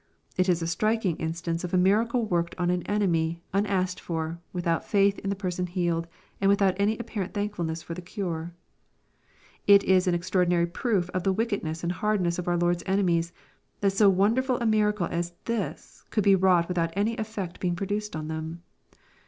It is a striking instance of a miracle worked on an enemy, un asked for, without faith in the person healed, and without any apparent thankfulness for the cure. It is an extraordinary proof of the wickedness and hardness of . our Lord's enemies, that so wonderful a miracle as this could be wrought without any effect being produced on them.